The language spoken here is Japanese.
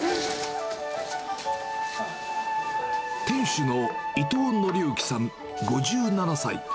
店主の伊藤紀幸さん５７歳。